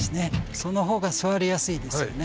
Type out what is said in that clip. その方が座りやすいですよね。